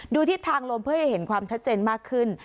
ทิศทางลมเพื่อจะเห็นความชัดเจนมากขึ้น